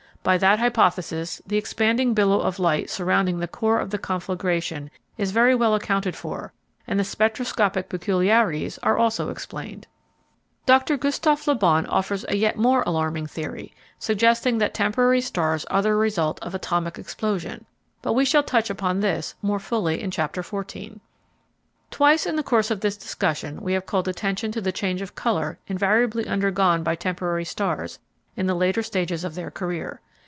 By that hypothesis the expanding billow of light surrounding the core of the conflagration is very well accounted for, and the spectroscopic peculiarities are also explained. Dr Gustov Le Bon offers a yet more alarming theory, suggesting that temporary stars are the result of atomic explosion; but we shall touch upon this more fully in Chapter 14. Twice in the course of this discussion we have called attention to the change of color invariably undergone by temporary stars in the later stages of their career.